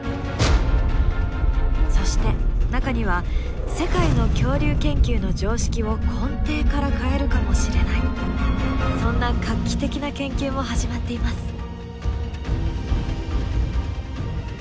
そして中には世界の恐竜研究の常識を根底から変えるかもしれないそんな画期的な研究も始まっています。